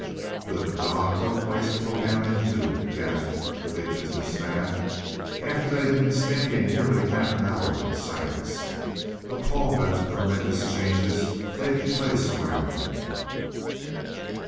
"Good God, what a place to go down into," gasped the Big Business Man, after they had been standing nearly half an hour in silence, appalled at the tremendous changes taking place around them.